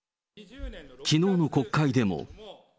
きのうの国会でも。